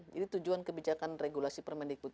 jadi tujuan kebijakan regulasi permendikbud